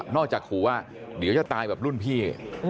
ขู่ว่าเดี๋ยวจะตายแบบรุ่นพี่